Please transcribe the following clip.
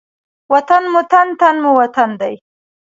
وطن مو تن، تن مو وطن دی.